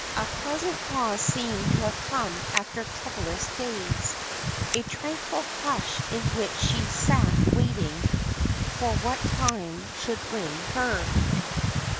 A pleasant pause seemed to have come after troublous days; a tranquil hush in which she sat waiting for what time should bring her.